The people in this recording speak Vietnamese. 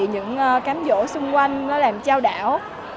những cám dỗ xung quanh làm trao đảo